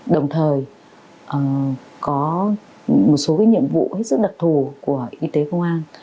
đồng thời có một số nhiệm vụ hết sức đặc thù của y tế công an